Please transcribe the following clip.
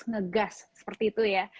ngegas seperti itu ya